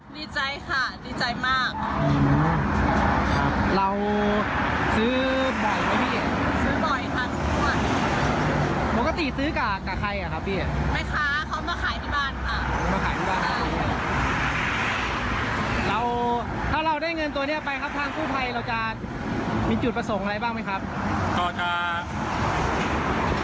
ในครู่ภายส่วนหนึ่งครับอีกส่วนหนึ่งคือใช้ในครอบครัว